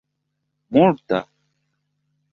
multa